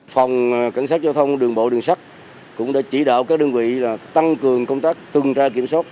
phòng cảnh sát giao thông đường bộ đường sắc cũng đã chỉ đạo các đơn vị là tăng cường công tác tương tra kiểm soát